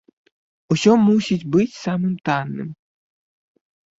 Усё мусіць быць самым танным.